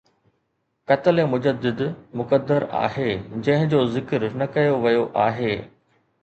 قتل مجدد مقدر آهي، جنهن جو ذڪر نه ڪيو ويو آهي